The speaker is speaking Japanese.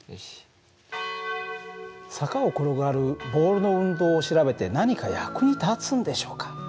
坂を転がるボールの運動を調べて何か役に立つんでしょうか。